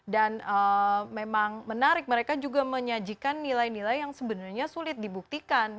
dan memang menarik mereka juga menyajikan nilai nilai yang sebenarnya sulit dibuktikan